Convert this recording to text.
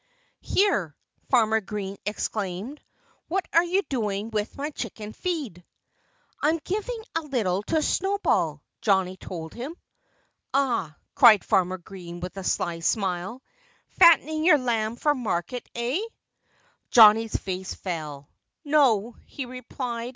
"Here!" Farmer Green exclaimed. "What are you doing with my chicken feed?" "I'm giving a little to Snowball," Johnnie told him. "Ah!" cried Farmer Green with a sly smile. "Fattening your lamb for market, eh?" Johnnie's face fell. "No!" he replied.